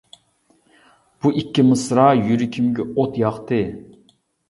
بۇ ئىككى مىسرا يۈرىكىمگە ئوت ياقتى.